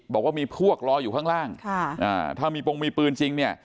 บอกว่ามีพวกรออยู่ข้างล่างถ้ามีปงมีปืนจริงเนี่ย